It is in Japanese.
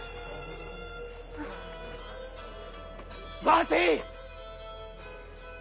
待て！